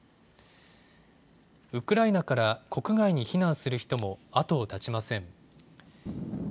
ウクライナから国外に避難する人も後を絶ちません。